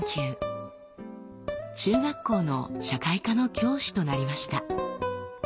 中学校の社会科の教師となりました。